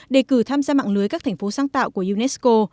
đề cử tham gia mạng lưới các thành phố sáng tạo của unesco